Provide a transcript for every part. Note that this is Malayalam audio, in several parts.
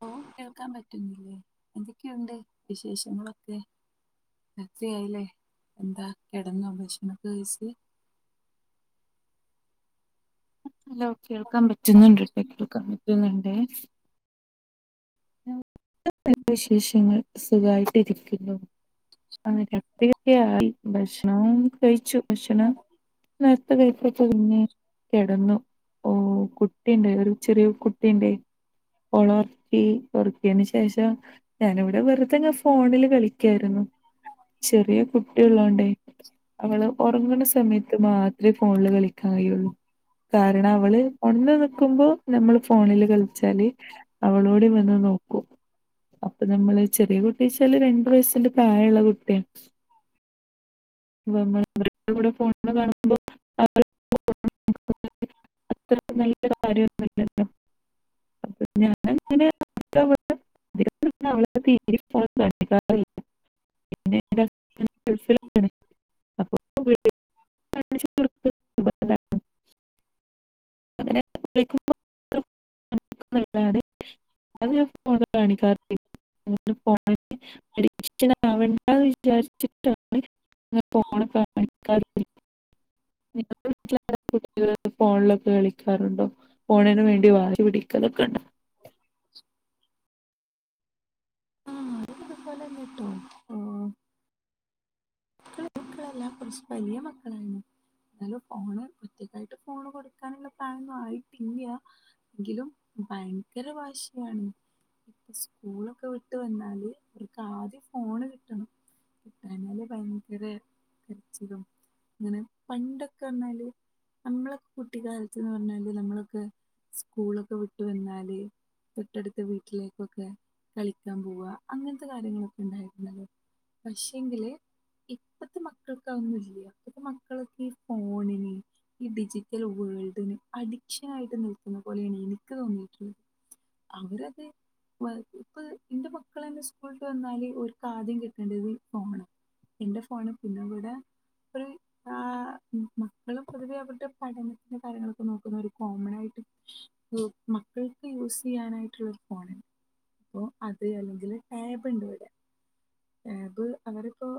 ഹലോ കേൾക്കാൻ പറ്റുന്നില്ലേ എന്തൊക്കെയുണ്ട് വിശേഷങ്ങളൊക്കെ രാത്രിയായില്ലേ എന്താ കേടന്നോ ഭക്ഷണൊക്കെ കഴിച്ച് ഹലോ കേൾക്കാൻ പറ്റുന്ണ്ട് കേൾക്കാൻ പറ്റുന്ണ്ടേ [unintelligible] വിശേഷങ്ങൾ സുഖായിട്ടിരിക്കുന്നു ആഹ് കത്തി കിട്ടി ആയി ഭക്ഷണം കഴിച്ചു ബക്ഷണം നേരത്തെ കഴിക്കാച്ചാ പിന്നെ കേ കെടന്നു ഓഹ് കുട്ടിയുണ്ട് ഒരു ചെറിയ കുട്ടിയുണ്ടേ ഓളെ ഒറക്കി കൊറക്കിയന് ശേഷം ഞാനിവിടെ വെറു വെറുതെങ്ങനെ ഫോണില് കളിക്കായിരുന്നു ചെറിയ കുട്ടിയുള്ളോണ്ടേ അവള് ഉറങ്ങണ സമയത്ത് മാത്രേ ഫോണില് കളിക്കാൻ കഴിയുള്ളൂ കാരണം അവള് ഒണന്ന് നിക്കുമ്പോ നമ്മള് ഫോണില് കളിച്ചാല് അവളൂടി വ നോക്കു അപ്പൊ നമ്മള് ചെറിയ കുട്ടി ച്ചാല് രണ്ടു വയസിന്റെ പ്രായള്ള കുട്ടിയാ നമ്മടെ കൂടെ ഫോൺ മ്മ കാണുമ്പോ [inaudible] [inaudible] അത്ര നല്ല കാര്യയൊന്നും അല്ലല്ലോ ഞാന് അങ്ങനെ [inaudible] ഞാന് അവൾക് തീരേ ഫോൺ കാണിക്കാറേല്ലാ [inaudible] അപ്പൊ [inaudible] കാണിച്ച് കൊടുക്കൽ നിർബന്ധാണ് [inaudible] അതേ ഫോണിൽ കാണിക്കാ [inaudible] [inaudible] വിചാരിച്ചിട്ടാണ് [inaudible] ഫോൺലൊ കേളിക്കാറുണ്ടോ ഫോണിന് വേണ്ടി വാശി പിടിക്കലൊക്കെണ്ടൊ ആഹ് അതൊക്കെതക്കാലല്ലട്ടോ ഓഹ് മക്കള് ചെറിയ മക്കളെല്ലാ കുറച്ച് വലിയ മക്കളായീണു എന്നാലും ഫോണ് പ്രത്യേകായിട്ട് ഫോണ് കൊടുക്കാനുള്ള പ്രായൊന്നും ആയിട്ടില്ല എങ്കിലും ഭയങ്കര വാശിയാണ് സ്കൂളൊക്കെവിട്ട് വന്നാല് ഓര്ക്കാദ്യം ഫോണ് കിട്ടണം കിട്ടാഞ്ഞാല് ഭയങ്കര കരിച്ചിലും ഇങ്ങനെ പണ്ടൊക്കെന്നാല് നമ്മളെ കുട്ടിക്കാലത്ത്ന്ന് പറഞ്ഞാല് നമ്മളൊക്കെ സ്കൂളൊക്കെവിട്ട് വന്നാല് തൊട്ടടുത്ത വീട്ടിലേക്കൊക്കെ കളിക്കാൻ പോവാ അങ്ങൻത്തെ കാര്യങ്ങളൊക്കെണ്ടായിട്ട്ണ്ടല്ലോ പക്ഷെങ്കില് ഇപ്പത്തെ മക്കൾക്ക് അവൊന്നുല്ല്യ ഇപ്പത്തെ മക്കളൊക്കെ ഈ ഫോണിന് ഈ ഡിജിറ്റൽവേൾഡിന് അഡിക്ഷനായിട്ട് നിൽക്കുന്ന പോലേണ് എനിക്ക് തോന്നിയിട്ടുള്ളത് അവരത് ഇപ്പൊ ഇന്റെ മക്കളന്നെ സ്കൂള്ട്ട് വന്നാല് ഓര്ക്ക് ആദ്യം കിട്ടേണ്ടത് ഫോണ ഇന്റെ ഫോണ് പിനെ ഇവ്ടെ [unintelligible] ആഹ് മക്കളും പൊതുവെ അവരുടെ പഠനത്തിന്റെ കാര്യങ്ങളൊക്കെ നോക്കുന്ന ഒരു കോമണായിട്ട് ഓഹ് മക്കൾക്ക് യൂസയ്യാനായിട്ടുള്ള ഒരു ഫോണ് ഓഹ് അത് അല്ലെങ്കില് ടേബ് ഇണ്ട് ഇവടെ ടേബ് അവരിപ്പോ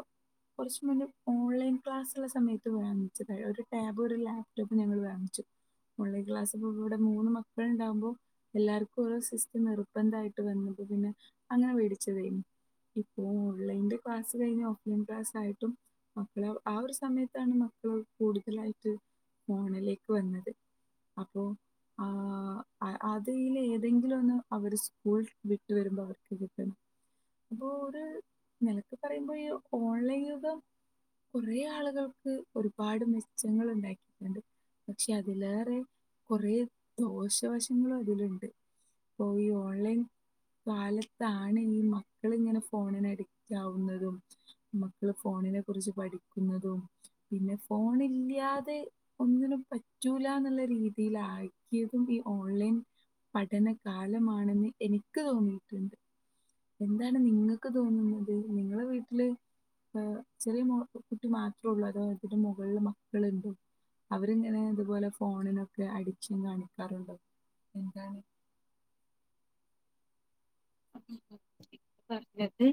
കുറച്ച് മുന്നേ ഓൺലൈൻ ക്ലാസ്ള്ള സമയത്ത് വാങ്ങിച്ചതാ ഒര് ടേബ് ഒര് ലാപ്ടോപ്പ് ഞങ്ങള് വാങ്ങിച്ചു ഓൺലൈൻ ക്ലാസ് പ്പോവുമ്പോ ഇവടെ മൂന്ന് മക്കൾ ഉണ്ടാവുമ്പോ എല്ലാര്ക്കും ഒര് സിസ്റ്റം നിർബന്ധായിട്ട് വെന്നപ്പം പിന്നെ അങ്ങനെ വേടിച്ചതേനി ഓൺലൈന്റെ ക്ലാസ് കഴിഞ്ഞ് ഓഫ്‌ലൈൻ ക്ലാസ്സായിട്ടും മക്കള് ആ ഒരു സമയത്താണ് മക്കള് കൂടുതലായിട്ട് ഫോണിലേക്ക് വന്നത് അപ്പോ ആഹ് അ അതീല് ഏതെങ്കിലൊന്ന് അവര് സ്കൂൾ വിട്ട് വരുമ്പോ അവർക്ക് കിട്ടണം അപ്പൊര് നെലക്ക് പറയുമ്പോ ഈ ഓൺലൈൻ യുഗം കൊറെ ആളുകൾക്ക് ഒരുപാട് മെച്ചങ്ങള് ഉണ്ടാക്കിയിട്ടുണ്ട് പക്ഷെ അതിലേറെ കൊറേ ദോഷ വശങ്ങളും അതില്ണ്ട് അപ്പൊ ഈ ഓൺലൈൻ കാലത്താണ് ഈ മക്കള് ഇങ്ങനെ ഫോ ഫോണിന് അഡിക്റ്റാവുന്നതും മക്കള് ഫോണിനെ കുറിച്ച് പഠിക്കുന്നതും പിന്നെ ഫോണി ഇല്ല്യാതെ ഒന്നിനും പറ്റൂലന്ന്ള്ള രീതിയിലാക്കിയതും ഈ ഓൺലൈൻ പഠനകാലമാണെന്ന് എനിക്ക് തോന്നിയിട്ട്ണ്ട് എന്താണ് നിങ്ങക്ക് തോന്നുന്നത് നിങ്ങളെ വീട്ട്ല് വേവ് ചെറിയമോൾകുട്ടി മാത്രള്ളൊഅതൊ അതിന്റെമുകൾള് മക്കള്ണ്ടോ അവരിങ്ങനെ ഇത്പോലെ ഫോണിനൊക്കെ അഡിക്ഷൻ കാണിക്കാറുണ്ടോ എന്താണ് [inaudible] പറഞ്ഞത്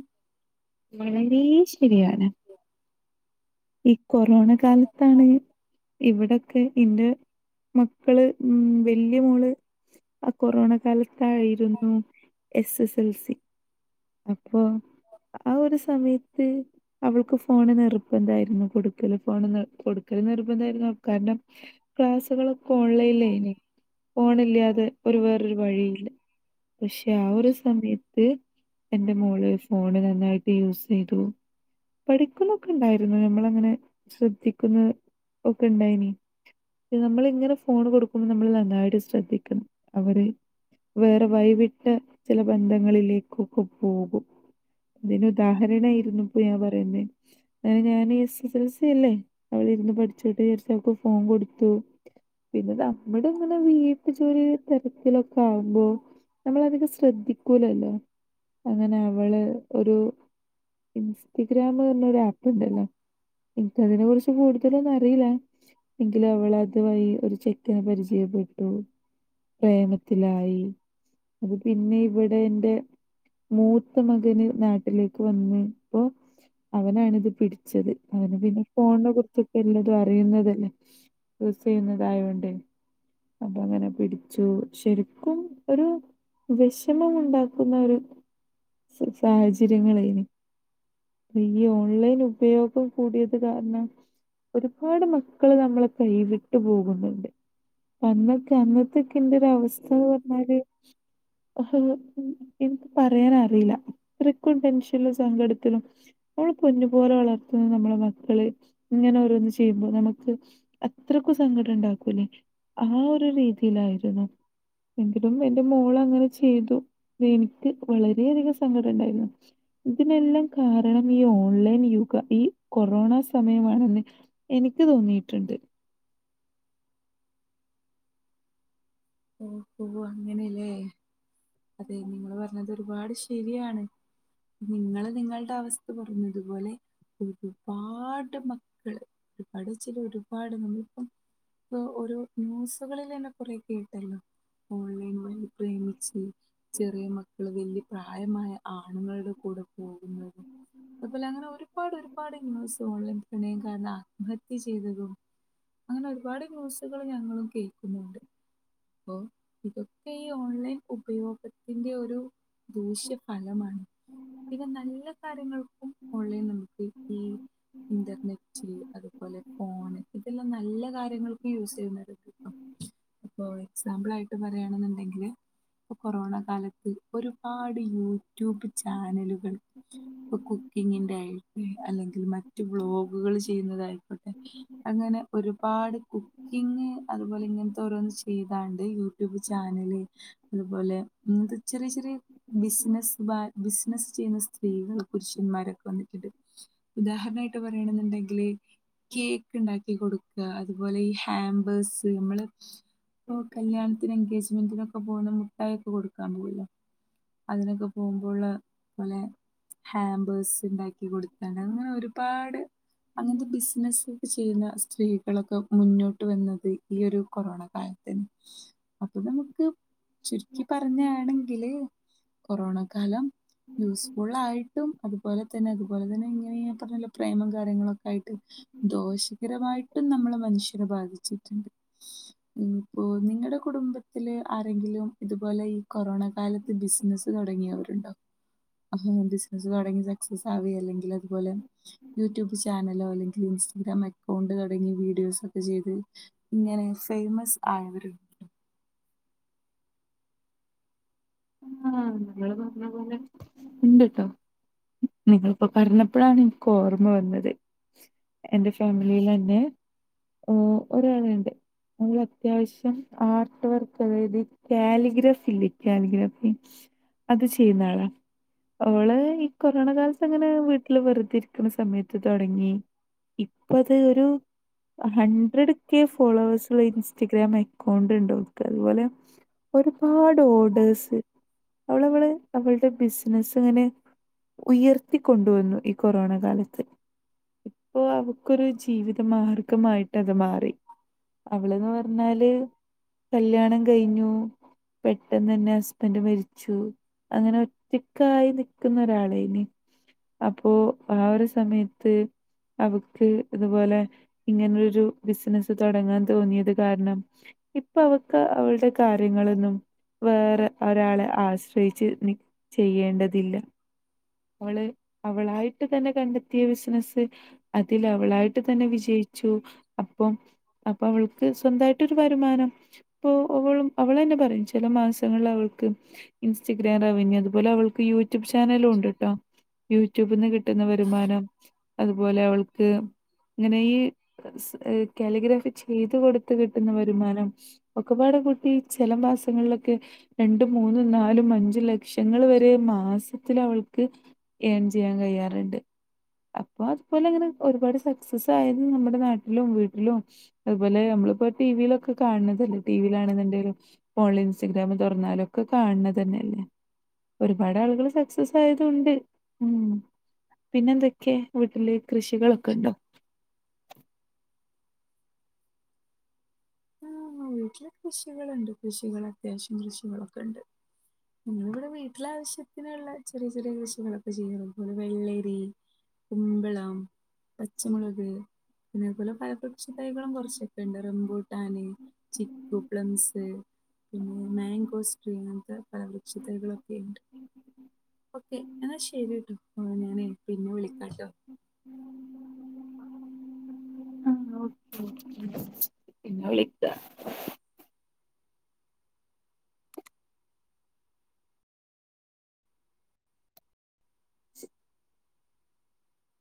വളരേ ശെരിയാണ് ഈ കൊറോണ കാലത്താണ് ഇവടെക്കെ ഇന്റെ മക്കള് ഉം വെല്ല്യമോള് ആ കൊറോണ കാലത്തായിരുന്നു എസ് എസ് എൽ സി അപ്പോ ആ ഒരുസമയത്ത് അവൾക്ക് ഫോണ് നിർബന്താ ഇങ്ങ കൊടുക്കല് ഫോണ്ന്ന് കൊടുക്കല് നിർബന്തായിരുന്നു അപ്കാര്നം ക്ലാസ്സുകളൊ ഒക്കെ ഓൺലൈൻ ലൈനി ഫോണ് ഇല്ലാതെ ഒരു വേറൊരു വഴിയില്ല പക്ഷെ ആ ഒരു സമയത്ത് എന്റെ മോള് ഫോണ് നന്നായിട്ട് യൂസ് ചെയ്തു പഠിക്കുന്നൊക്കെ ഉണ്ടായിരുന്നു പിന്നെ നമ്മള അങ്ങനെ ശ്രദ്ധിക്കുന്ന ഒക്കെ ഇണ്ടായ്നി നമ്മളിങ്ങനെ ഫോൺ കൊടുക്കുമ്പോ നമ്മള് നന്നായിട്ട് ശ്രദ്ധിക്കണം അവര് വേറെ വൈവിട്ട ചെല ബന്ധങ്ങളിലേക്കൊക്കെ പോകും അതിന് ഉദാഹരണായിരുന്നു ഇപ്പൊ ഞാൻ പറയുന്നത് അഹ് ഞാൻ എസ് എസ് എൽ സി അല്ലേ അവളിരുന്ന് പഠിച്ചോട്ടേ ചാരിച്ച് അവക്ക് ഫോ [unintelligible] കൊടുത്തു പിന്നെ നമ്മുടെ ഇങ്ങനെ വീട്ടു ജോലി തരക്കിലൊക്കെ ആകുമ്പോ നമ്മള അധികം ശ്രദ്ധിക്കൂലല്ലോ അങ്ങനെ അവള് ഒരു ഇൻസ്റ്റഗ്രാം പർഞ്ഞരു ആപ്പ്ണ്ടല്ലോ എനിക്ക് അതിനെ കുറിച്ച് കൂടുതലൊന്നും അറിയില്ല എങ്കിലും അവൾ അത് വഴി ഒരു ചെക്കനെ പരിചയപ്പെട്ടു പ്രേമത്തിലായി അത് പിന്നെ ഇവിടെ എൻ്റെ മൂത്ത മകന് നാട്ടിലേക്ക് വന്നപ്പോ അവനാണിത് പിടിച്ചത് അതിന് പിന്നെ ഫോണിനെ കുറിച്ചൊക്കെ എല്ലാതും അറിയുന്നതല്ലേ യൂസ് ചെയ്യുന്നതായോണ്ടയ് അപ്പൊ അങ്ങനെ പിടിച്ചു ശരിക്കും ഒരു വിഷമം ഉണ്ടാക്കുന്ന ഒരു സാഹചര്യങ്ങളയ്നി ഈ ഓൺലൈൻ ഉപയോഗം കൂടിയത് കാരണം ഒരുപാട് മക്കള് നമ്മളെ കൈവിട്ടു പോകുന്നുണ്ട് അന്നൊക്കെ അന്നത്തൊക്കെ എന്റെരവസ്ഥന്ന് പറഞ്ഞാല് എനിക്ക് പറയാനറിയില്ല അത്രയ്ക്കും ടെൻഷനിലും സങ്കടത്തിലും ഓള് പൊഞ്ഞുപോലെ വളർത്തുന്ന നമ്മളെ മക്കള് ഇങ്ങനെ ഓരോന്ന് ചെയ്യുമ്പോ നമുക്ക് അത്രക്കും സങ്കടം ഉണ്ടാക്കൂലേ ആ ഒരു രീതിയിലായിരുന്നു എങ്കിലും എന്റെ മോള് അങ്ങനെ ചെയ്തു എനിക്ക് വളരെയധികം സങ്കടം ഉണ്ടായിരുന്നു ഇതിനെല്ലാം കാരണം ഈ ഓൺലൈൻ യുക ഈ കൊറോണ സമയമാണെന്ന് എനിക്ക് തോന്നിയിട്ടുണ്ട് ഓഹ് ഹോ അങ്ങനെല്ലേ അതെ നിങ്ങൾ പറഞ്ഞത് ഒരുപാട് ശരിയാണ് നിങ്ങള് നിങ്ങളുടെ അവസ്ഥ പറഞ്ഞതു പോലെ ഒരുപാട് മക്കള് ഒരുപാട് ചില ഒരുപാട് നമ്മളപ്പം ഇപ്പൊ ഒരു ന്യൂസുകളിൽ തന്നെ കൊറേക്കെ കേട്ടല്ലോ ഓൺലൈൻ വഴി പ്രേമിച്ച് ചെറിയ മക്കള് വലിയ പ്രായമായ ആണുങ്ങളുടെ കൂടെ പോകുന്നു. കൊഴ്‌പ്പല്ല അങ്ങനെ ഒരുപാട് ഒരുപാട് ന്യൂസ്കള് പ്രണയം കാരണം ആത്മഹത്യ ചെയ്തതും അങ്ങനെ ഒരുപാട് ന്യൂസുകൾ ഞങ്ങളും കേൾക്കുന്നുണ്ട് അപ്പ ഇതൊക്കെ ഈ ഓൺലൈൻ ഉപയോഗത്തിന്റെ ഒരു ദൂശ്യഫലമാണ് പിന്നെ നല്ല കാര്യങ്ങൾക്കും ഓൺ നമുക്ക് ഈ ഇന്റർനെറ്റ് അതുപോലെ ഫോണ് ഇതെല്ലാം നല്ല കാര്യങ്ങൾക്കും യൂസ് ചെയ്യ ഉം അപ്പൊ എക്സാമ്പിൾ ആയിട്ട് പറയണെന്നുണ്ടെങ്കില് ഇപ്പൊ കൊറോണ കാലത്ത് ഒരുപാട് യൂട്യൂബ് ചാനലുകൾ ഇപ്പൊ കുക്കിങ്ങിന്റെ ആയി അല്ലെങ്കിൽ മറ്റ് ബ്ലോഗുകൾ ചെയ്യുന്നതായിക്കോട്ടെ അങ്ങനെ ഒരുപാട് കുക്കിങ് അതുപോലെ ഇങ്ങനത്തെ ഓരോന്ന് ചെയ്തു അതണ്ട് യൂട്യൂബ് ചാനല് അതുപോലെ ഇങ്ങത്തെ ചെറിയ ചെറിയ ബിസിന ബിസിനസ്സ് ചെയ്യുന്ന സ്ത്രീകൾ പുരുഷന്മാരൊക്കെ വന്നിട്ടുണ്ട് ഉദാഹരണായിട്ട് പറയണ എന്നുണ്ടെങ്കില് കേക്ക് ഉണ്ടാക്കി കൊടുക്ക അതുപോലെ ഈ ഹാമ്പേഴ്സ് നമ്മള് ഓ കല്യാണത്തിന് എൻങ്കേജ്മെന്റിനൊക്കെ പോകുന്ന മുഠായിയൊക്കെ കൊടുക്കാൻ പോവല്ലോ അതിനൊക്കെപോവുമ്പ്ള്ള പൊലെ ഹാമ്പേഴസ്ണ്ടാക്കികൊട്ത്തണ് അങ്ങനെഒരുപാട് അങ്ങൻത്തെബിസിനസ്സ്ക്കെ ചെയ്യുന്ന സ്ത്രീകളൊക്കമുന്നോട്ട് വന്നത് ഈഒരുകൊറോണ കാല അപ്പൊനമുക്ക് ചുര്ക്കിപറഞ്ഞാണങ്കില് കൊറോണകാലം യൂസ്ഫുള്ളായിട്ടും അതുപോലെതന്നെ അതുപോലെതന്നെ ഇങ്ങനെ [unintelligible] പ്രേമംകാര്യങ്ങളൊക്കായിട്ട് ദോഷകരമായിട്ടുംനമ്മളെമനുഷ്യനബാധിച്ചിട്ടുണ്ട് ഉം പ്പോ നിങ്ങ്ടെകുടുംബത്തില് ആരെങ്കിലുംഇത്പോലെ ഈകൊറോണകാലത്ത് ബിസ്നസ്സ്തൊടങ്ങിയോ? ണ്ടൊ അഹ് ബിസിനസ്സ്തൊടങ്ങി സക്സ്സാസാവെല്ലങ്കി ല്ലത്പോലെ യൂട്യൂബ്ചാനലോ അല്ലെങ്ക്ല് ഇൻസ്റ്റഗ്രാം കൗണ്ട്തൊടങ്ങി വീഡിയോസൊക്കെചെയ്ത് ഇങ്ങനെഫേയ്മസ് ആയവരും ആഹ്ങ്ങള് പറ്ഞ്ഞപോലെഉണ്ട്ട്ടോ നിങ്ങള്പ്പോപറഞ്ഞപ്പോളാണ് ഇൻക്ക്ഓർമ്മവന്നത് എന്റെഫെമിലിയിലന്നെ ഓ ഒരാള്ണ്ട് വളാത്യാവശ്യം ആർട്ട് വർക്ക് അതായത് ക്യാലിഗ്രാഫില്ലേ ക്യാലിഗ്രാഫ് അത്ചെയ്യുന്നാളാ അവള് ഈകൊറോണകാലത്ത്ങ്ങനെ വീട്ട്ല് വെറുതെരിക്ക്ണ സമയത്ത്തൊടങ്ങി ഇപ്പത് ഒരു ഹൺഡ്രഡ്ക്കെ ഫോളോവേഴ്സ്ള്ള ഇൻസ്റ്റാഗ്രാംഅക്കൗണ്ട് ണ്ട്ഓൾക്ക് അത്പോലെ ഒരുപാട് ഓർഡേഴസ് അവള അവള് അവളുടെ ബിസിനസ്സ് ഇങ്ങനെ ഉയർത്തിക്കൊണ്ടുവെന്ന് ഈ കൊറോണകാലത്ത് ഇപ്പൊ അവക്കൊരു ജീവിതമാർഗമായിട്ടത് മാറി. അവള്ന്ന്പറ്ഞ്ഞാല് കല്യാണംകഴിഞ്ഞു പെട്ടെന്നന്നെ പ്പന്റെമരിച്ചു അങ്ങനെഒറ്റക്കായി നിക്കുന്നഒരാളെയ്നി അപ്പോ ആഒരു സമയത്ത്അവക്ക്ഇതുപോലെ ഇങ്ങനൊരു ബിസ്നസ്സ് തൊടങ്ങാന് തോന്നിയത്കാരണം ഇപ്പൊഅവക്ക് അവൾടെകാര്യങ്ങളൊന്നും വേറെ ഒരാളെആശ്രയിച്ച് നിക്ക് ചെയ്യേണ്ടതില്ല അവള് അവളായിട്ട്തന്നെ കണ്ടെത്തിയബിസ്നസ്സ് അതിലവളായിട്ട് തന്നെ വിജയിച്ചു അപ്പം അപ്പൊ അവൾക്ക് സ്വന്തായിട്ടൊരു വരുമാനം അപ്പൊ അവളും അവളന്നെപറയും ചെലമാസങ്ങൾ അവൾക്ക് ഇൻസ്റ്റഗ്രാം റവന്യൂ അതുപോലെ അവൾ ക്ക് യൂട്യൂബ്ചാനലുണ്ട്ട്ടോ യൂട്യൂബിന്ന് കിട്ട്ന്നവരുമാനം അത്പോലെഅവൾ ക്ക്‌ ഇങ്ങനെ ഈകാലിഗ്രാഫി ചെയ്ത് കൊടുത്ത് ത്ത്കിട്ടുന്ന വരുമാനം ഒക്കെപാടെ കൂട്ടി ചെല മാസങ്ങൾലൊക്കെ രണ്ട, മൂന്നും, നാലും, അഞ്ചുംലക്ഷങ്ങൾവരെ മാസത്തിലവൾ ക്ക് ഏൺചെയ്യാൻ കഴിയാറ്ണ്ട് അപ്പോ അത്പോലെങ്ങനെ ഒരുപാട് സ് ക്സസായത് നമ്മുടെ നാട്ട്ലും വീട്ട്ലും അത്പോലെ നമ്മള്പ്പോ ടി വിയിലൊക്കെ കാൺണതല്ലേ ടിവിയിലാണ്ന്ന്ണ്ടങ്കിലും ഫോൺല് ഇൻസ്റ്റഗ്രാമ് തൊറ്ന്നാലും ഒക്കെ കാൺണതന്നല്ലേ ഒരുപാട് ആളുകള് സക്സസ് തയതുണ്ട് ഉം പിന്നെന്തൊക്കെ വീട്ട്ല് കൃഷികളൊക്കണ്ടോ? ആഹ് വീട്ടില് കൃഷികള്ണ്ട് കൃഷികളത്യാവശ്യം കൃഷികളൊക്കണ്ട് ഇങ്ങള് വ്ടെ വീട്ടിലാവശ്യത്തിനുള്ള ചെറിയചെറിയ കൃഷികളൊക്കെ ചെയ്യുന്നത് അതുപോലെ വെള്ളരി കുമ്പളം പച്ചമുളക് അതേ പോലെ ഫല വൃക്ഷ തൈകളും കൊറ്ച്ചെക്കെണ്ട് റംബോട്ട് ട്ടാന്, ചിക്കു, പ്ലമ്സ് പിന്നെ മാങ്കോസ്ട്രീ അങ്ങൻത്തെ പലവൃക്ഷതൈകളൊക്കെയ്ണ്ട്. ഓക്കേ എന്നാശരിട്ടോ ഞാനെയ് പിന്നെവിളിക്കാട്ടോ പിന്നെവിളിക്കാ